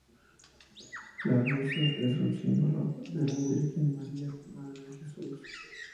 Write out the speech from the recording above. La rosa es un símbolo de la Virgen María, Madre de Jesús.